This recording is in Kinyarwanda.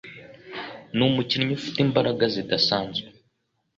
numukinnyi ufite imbaraga zidasanzwe.